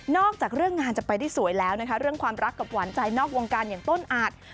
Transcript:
จากเรื่องงานจะไปได้สวยแล้วนะคะเรื่องความรักกับหวานใจนอกวงการอย่างต้นอาจ